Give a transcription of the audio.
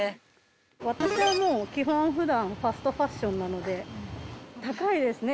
私はもう基本普段ファストファッションなので高いですね